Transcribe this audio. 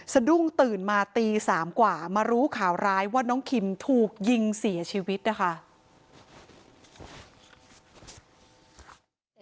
สะดุ้งตื่นมาตี๓กว่ามารู้ข่าวร้ายว่าน้องคิมถูกยิงเสียชีวิตนะคะ